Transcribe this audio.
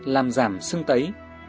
làm giảm sưng tấy